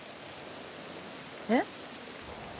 えっ？